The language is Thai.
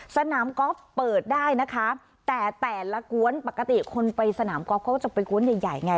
สนามกอล์ฟเปิดได้นะคะแต่แต่ละกวนปกติคนไปสนามกอล์ฟเขาจะไปกวนใหญ่ใหญ่ไง